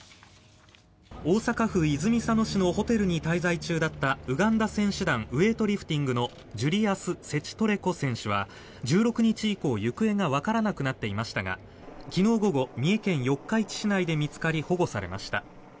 大阪府泉佐野市のホテルに滞在中だったウガンダ選手団ウエイトリフティングのジュリアス・セチトレコ選手は１６日以降行方がわからなくなっていましたが昨日午後三重県四日市市内で見つかり保護されました。